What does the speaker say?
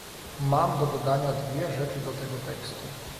Mam do dodania dwie rzeczy do tego tekstu